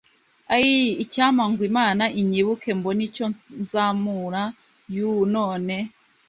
Ayiii! Icyampa ngo Imana inyibuke mbone icyo nsamura! Yuuu! None